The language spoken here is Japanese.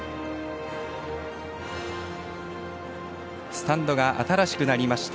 スタンドが新しくなりました